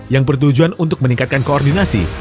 yang bertujuan untuk meningkatkan koordinasi